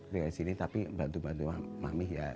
dari sini tapi bantu bantu mami ya